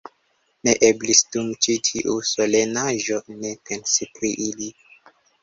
Ne eblis dum ĉi tiu solenaĵo ne pensi pri ili.